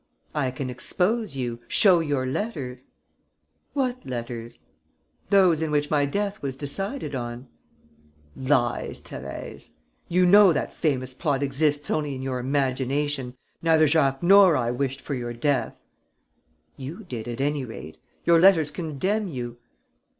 "I can expose you, show your letters." "What letters?" "Those in which my death was decided on." "Lies, Thérèse! You know that famous plot exists only in your imagination. Neither Jacques nor I wished for your death." "You did, at any rate. Your letters condemn you."